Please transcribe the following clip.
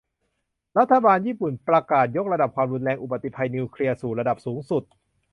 รัฐบาลญี่ปุ่นประกาศยกระดับความรุนแรงอุบัติภัยนิวเคลียร์สู่ระดับสูงสุด